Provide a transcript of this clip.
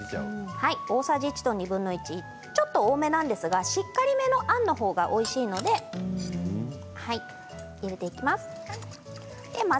大さじ１と２分の１ちょっと多めなんですがしっかりめのあんの方がおいしいので、入れていきます。